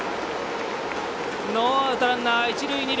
ノーアウト、ランナー、一塁二塁。